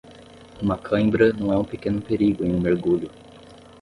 Uma cãibra não é um pequeno perigo em um mergulho.